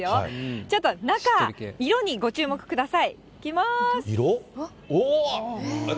ちょっと中、色にご注目ください。